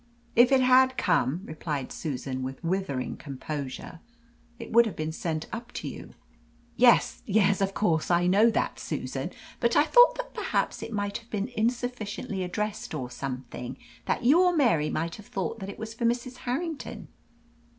"If it had come," replied Susan, with withering composure, "it would have been sent up to you." "Yes, yes, of course I know that, Susan. But I thought that perhaps it might have been insufficiently addressed or something that you or Mary might have thought that it was for Mrs. Harrington."